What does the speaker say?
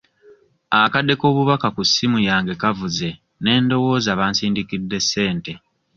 Akade k'obubaka ku ssimu yange kavuze ne ndowooza bansindikidde ssente.